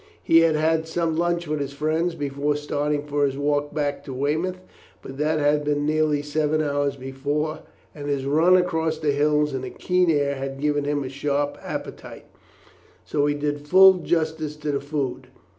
He had had some lunch with his friends before starting for his walk back to Weymouth, but that had been nearly seven hours before, and his run across the hills in the keen air had given him a sharp appetite, so he did full justice to the food.